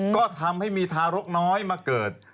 ก็ทำให้มีทารกน้อยมาเกิด